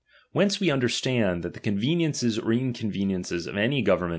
Whence we understand, that the con veniences or inconveniences of any government ■ DOMINION.